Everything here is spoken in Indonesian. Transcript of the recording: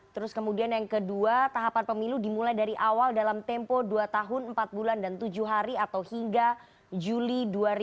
terus kemudian yang kedua tahapan pemilu dimulai dari awal dalam tempo dua tahun empat bulan dan tujuh hari atau hingga juli dua ribu dua puluh